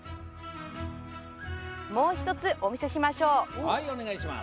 もう一つ、お見せしましょう。